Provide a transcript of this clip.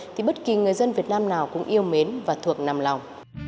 thì bất kỳ người dân việt nam nào cũng yêu mến và thuộc nằm lòng